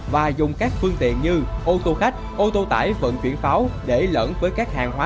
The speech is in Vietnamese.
và dùng các phương tiện như ô tô khách ô tô tải vận chuyển pháo để lẫn với các hàng hóa